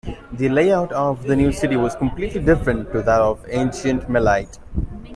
The layout of the new city was completely different to that of ancient Melite.